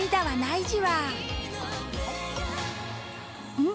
うん？